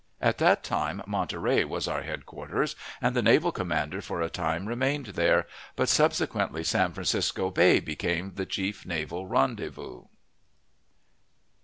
At that time Monterey was our headquarters, and the naval commander for a time remained there, but subsequently San Francisco Bay became the chief naval rendezvous.